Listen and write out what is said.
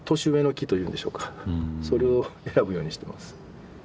それを選ぶようにしてます。